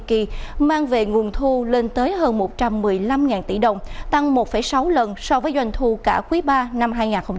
tiki mang về nguồn thu lên tới hơn một trăm một mươi năm tỷ đồng tăng một sáu lần so với doanh thu cả quý ba năm hai nghìn hai mươi